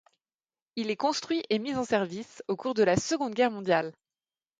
Il est construit et mis en service au cours de la Seconde Guerre mondiale.